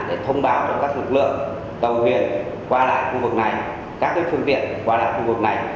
để thông báo cho các lực lượng tàu huyền qua lại khu vực này các phương tiện qua lại khu vực này